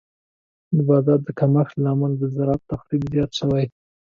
د باران د کمښت له امله د زراعت تخریب زیات شوی.